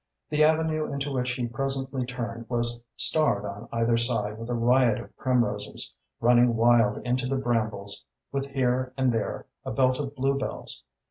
The avenue into which he presently turned was starred on either side with a riot of primroses, running wild into the brambles, with here and there a belt of bluebells.